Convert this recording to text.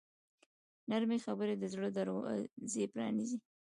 نرمې خبرې د زړه دروازې پرانیزي.